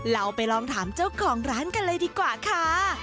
เราไปลองถามเจ้าของร้านกันเลยดีกว่าค่ะ